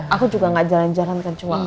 aku juga gak jalan jalan kan cuma